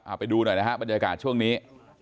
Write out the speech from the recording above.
เอาไปดูหน่อยนะฮะบรรยากาศช่วงนี้